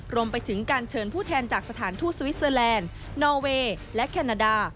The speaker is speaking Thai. รวมไปถึงการเชิญผู้แทนจากสถานทูตสวิสเตอร์แลนด์นอเวย์และแคนาดา